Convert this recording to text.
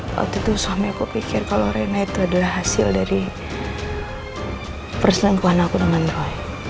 waktu itu suami aku pikir kalau rena itu adalah hasil dari perselingkuhan aku dengan roy